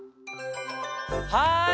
はい！